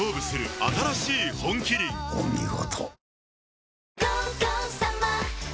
お見事。